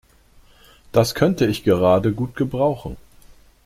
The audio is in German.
Das könnte ich gerade gut gebrauchen.